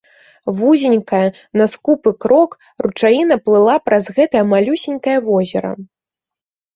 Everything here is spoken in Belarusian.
Вузенькая, на скупы крок, ручаіна плыла праз гэтае малюсенькае возера.